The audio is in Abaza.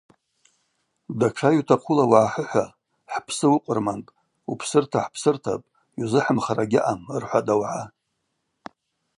Датша йутахъула угӏахӏыхӏва – хӏпсы уыкъвырманпӏ, упсырта хӏпсыртапӏ – йузыхӏымхара гьаъам, – рхӏватӏ ауагӏа.